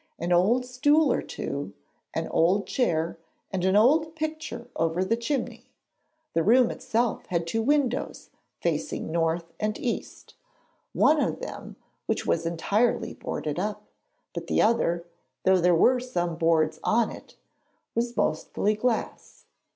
An old stool or two, an old chair and an old picture over the chimney. The room itself had two windows, facing north and east, one of which was entirely boarded up; but the other, though there were some boards on it, was mostly glass.